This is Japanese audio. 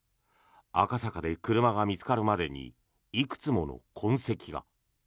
赤坂で車が見つかるまでにいくつもの痕跡が。